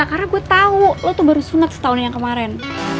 karena gue tau lo tuh baru sunat setahun yang kemarin